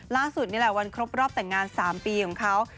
ล่าสุดนี่แหละวันครบรอบแต่งงาน๓ปีของเขา